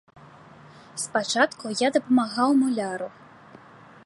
Спачатку я дапамагаў муляру.